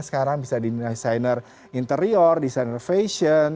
sekarang bisa dinilai desainer interior desainer fashion